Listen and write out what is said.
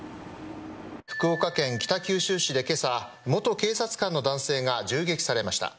福岡県北九州市で今朝元警察官の男性が銃撃されました。